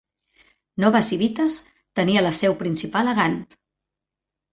Nova Civitas tenia la seu principal a Gant.